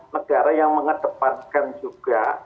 negara yang mengedepankan juga